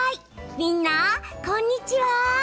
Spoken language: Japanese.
みんな、こんにちは。